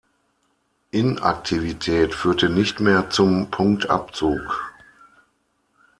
Inaktivität führte nicht mehr zum Punktabzug.